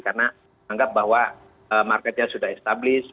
karena anggap bahwa marketnya sudah established